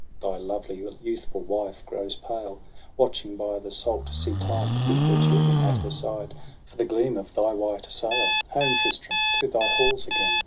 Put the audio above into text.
Thy lovely youthful wife grows pale Watching by the salt sea tide With her children at her side TRISTRAM AND ISEULT. 203 For the gleam of thy white sail. Home, Tristram, to thy halls again